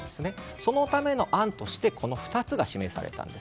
そのための案としてこの２つが示されたんです。